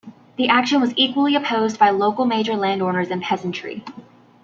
The action was equally opposed by local major landowners and peasantry.